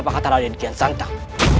apa kata raden kian santang